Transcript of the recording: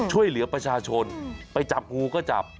ช่วยเหลือประชาชนไปจับงูก็จับ